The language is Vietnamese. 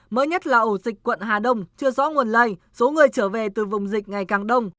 mới nhất là ổ dịch quận hà đông chưa rõ nguồn lây số người trở về từ vùng dịch ngày càng đông